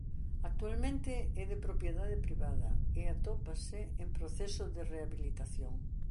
Actualmente é de propiedade privada e atópase en proceso de rehabilitación.